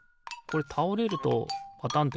これたおれるとパタン